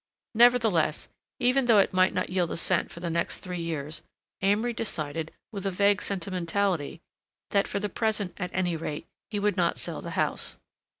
Nevertheless, even though it might not yield a cent for the next three years, Amory decided with a vague sentimentality that for the present, at any rate, he would not sell the house.